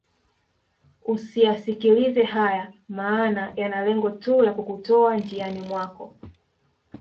Usiyaskilize haya maana yana lengo tu la kukutoa njiani mwako